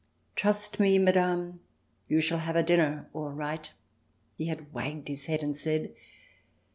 "Trust me, Madame, you shall have a dinner all right !" he had wagged his head and said.